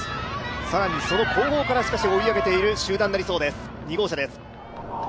更にその後方から追い上げている集団になりそうです、２号車です。